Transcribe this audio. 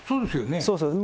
そうですよね。